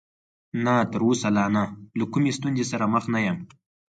نه، تر اوسه لا نه، له کومې ستونزې سره مخ نه یم.